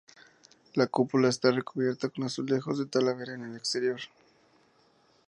La cúpula está recubierta con azulejos de talavera en el exterior.